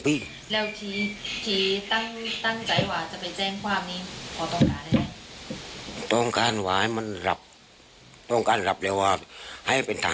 พี่มันต้องการไว้เห็นว่า